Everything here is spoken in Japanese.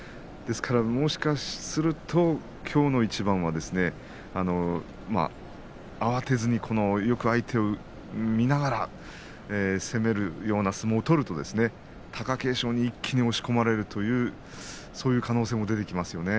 もしかすると、きょうの一番は慌てずによく相手を見ながら攻めるような相撲を取ると貴景勝に一気に押し込まれるという、そういう可能性も出てきますよね。